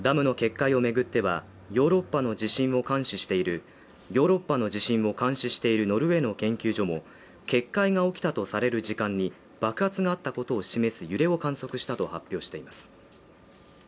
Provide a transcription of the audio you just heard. ダムの決壊を巡っては、ヨーロッパの地震を監視しているノルウェーの研究所も決壊が起きたとされる時間に爆発があったことを示す揺れを観測したと発表しています。